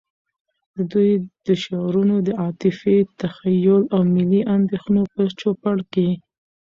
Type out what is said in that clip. د دوی د شعرونو د عاطفی، تخیّل، او ملی اندیښنو په چو پړ کي